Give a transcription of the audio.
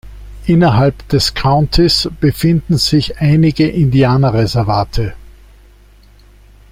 Innerhalb des Countys befinden sich einige Indianerreservate.